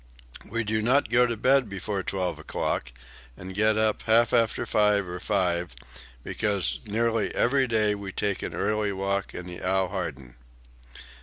"We do not go to bed before 12 o'clock and get up half after five or five, because nearly every day we take an early walk in the Augarten."